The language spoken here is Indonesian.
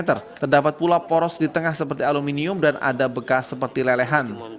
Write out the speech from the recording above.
terdapat pula poros di tengah seperti aluminium dan ada bekas seperti lelehan